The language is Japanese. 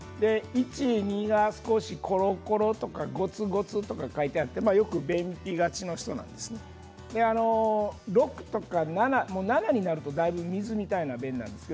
１、２が少しころころとかごつごつと書いてあってよく便秘がちな人６とか７になるとだいぶ水みたいな便です。